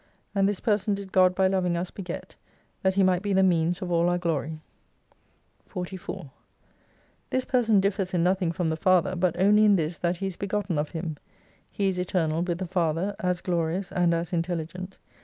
And this Person did God by loving us, beget, that He might be the means of all our glory. 44 This Person differs in nothing from the Father, but only in this that He is begotten of Him, He is Eternal with the Father, as glorious and as intelligent.